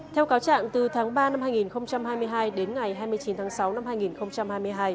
theo cáo trạng từ tháng ba năm hai nghìn hai mươi hai đến ngày hai mươi chín tháng sáu năm hai nghìn hai mươi hai